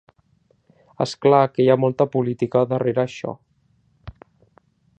És clar que hi ha molta política darrere això.